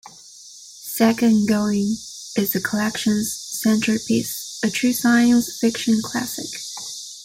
"Second Going" is the collection's centerpiece, a true science fiction classic.